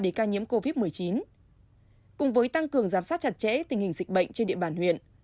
để ca nhiễm covid một mươi chín cùng với tăng cường giám sát chặt chẽ tình hình dịch bệnh trên địa bàn huyện